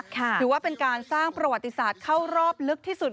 ถือว่าเป็นการสร้างประวัติศาสตร์เข้ารอบลึกที่สุด